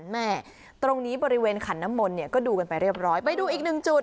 แม่ตรงนี้บริเวณขันน้ำมนต์เนี่ยก็ดูกันไปเรียบร้อยไปดูอีกหนึ่งจุด